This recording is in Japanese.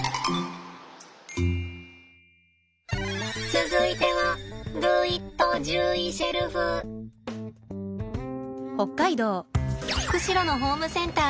続いては釧路のホームセンターよ。